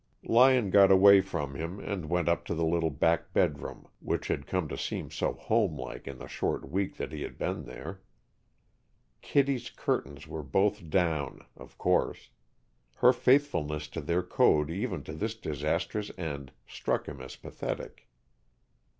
Lyon got away from him and went up to the little back bedroom which had come to seem so homelike in the short week he had been there. Kittie's curtains were both down of course. Her faithfulness to their code even to this disastrous end struck him as pathetic.